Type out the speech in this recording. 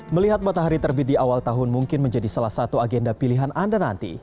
melihat matahari terbit di awal tahun mungkin menjadi salah satu agenda pilihan anda nanti